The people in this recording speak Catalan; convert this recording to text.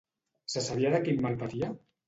Se sabia de quin mal patia?